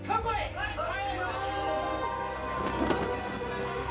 はい乾杯！